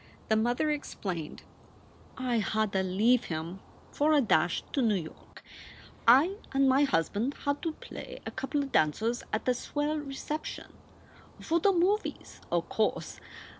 The mother explained: "I hadda leave him for a dash to N York. I and m usband hadda play a coupla dancers at a SOULS FOR SALE 65 swell reception for the movies, o course.